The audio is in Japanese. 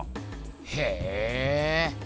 へえ。